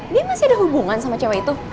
dia masih ada hubungan sama cewek itu